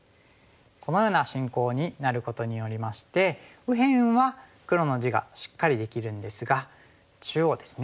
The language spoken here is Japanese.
このような進行になることによりまして右辺は黒の地がしっかりできるんですが中央ですね。